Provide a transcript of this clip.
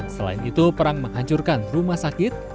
selain itu perang menghancurkan rumah sakit